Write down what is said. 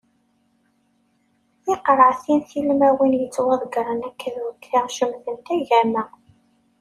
Tiqreɛtin tilmawin yettwadeggren akka d wakka cemtent agama.